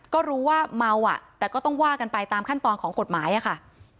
ก็รู้ว่าเมาอ่ะแต่ก็ต้องว่ากันไปตามขั้นตอนของกฎหมายอะค่ะ